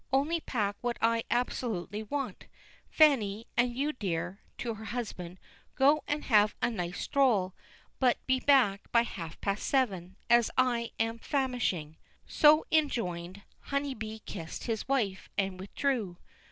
Only unpack what I absolutely want, Fanny; and you, dear," to her husband, "go and have a nice stroll, but be back by half past seven, as I'm famishing." So enjoined, Honeybee kissed his wife, and withdrew.